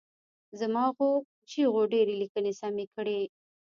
زما غو چیغو ډېرو لیکني سمې کړي.